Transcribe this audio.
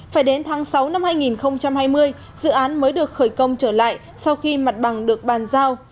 phải đến tháng sáu năm hai nghìn hai mươi dự án mới được khởi công trở lại sau khi mặt bằng được bàn giao